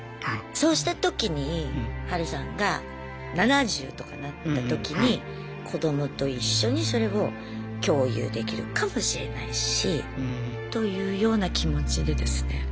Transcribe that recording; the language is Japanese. そうしたときにハルさんが７０とかなったときに子どもと一緒にそれを共有できるかもしれないしというような気持ちでですね